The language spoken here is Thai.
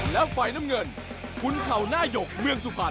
และฝ่ายน้ำเงินขุนเข่าหน้าหยกเมืองสุพรรณ